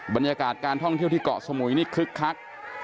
บรรยากาศการท่องเที่ยวที่เกาะสมุยนี่คึกคัก